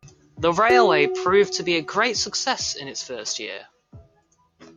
The railway proved to be a great success in its first year.